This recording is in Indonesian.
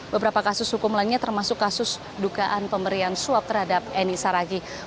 beberapa kasus hukum lainnya termasuk kasus dugaan pemberian suap terhadap eni saragih